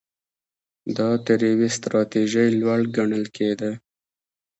دا تر یوې ستراتیژۍ لوړ ګڼل کېده.